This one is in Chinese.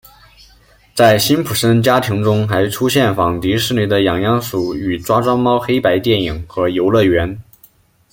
在辛普森家庭中还出现仿迪士尼的痒痒鼠与抓抓猫黑白电影和游乐园。